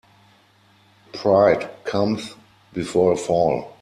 Pride cometh before a fall.